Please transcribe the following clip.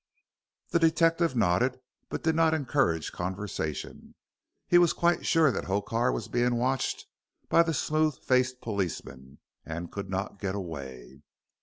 The detective nodded, but did not encourage conversation. He was quite sure that Hokar was being watched by the smooth faced policeman, and could not get away.